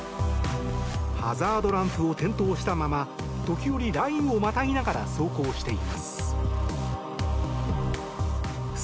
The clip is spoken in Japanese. ハザードランプを点灯したまま時折、ラインをまたぎながら走行しています。